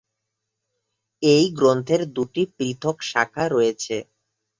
এই গ্রন্থের দুটি পৃথক শাখা রয়েছে।